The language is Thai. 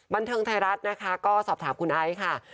บันเทิงไทยรัฐนะคะก็สอบถามคุณไอซ์ค่ะ